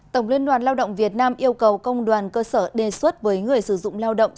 tổng liên đoàn lao động việt nam yêu cầu công đoàn cơ sở đề xuất với người sử dụng lao động